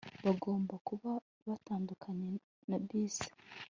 Bagomba kuba batandukanye nabisi